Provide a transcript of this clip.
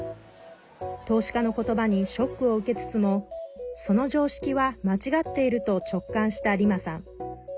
投資家の言葉にショックを受けつつもその常識は間違っていると直感したリマさん。